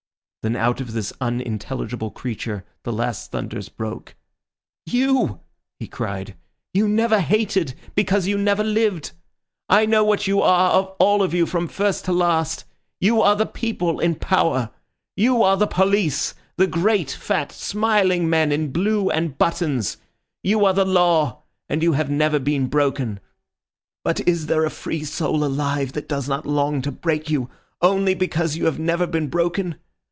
Then out of this unintelligible creature the last thunders broke. "You!" he cried. "You never hated because you never lived. I know what you are all of you, from first to last—you are the people in power! You are the police—the great fat, smiling men in blue and buttons! You are the Law, and you have never been broken. But is there a free soul alive that does not long to break you, only because you have never been broken?